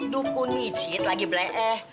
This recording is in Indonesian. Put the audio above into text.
duku nicit lagi bleeh